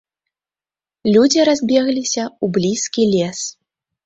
Людзі разбегліся ў блізкі лес.